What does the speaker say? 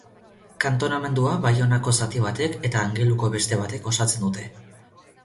Kantonamendua Baionako zati batek eta Angeluko beste batek osatzen dute.